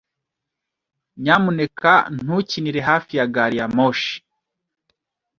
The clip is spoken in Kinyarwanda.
Nyamuneka ntukinire hafi ya gari ya moshi.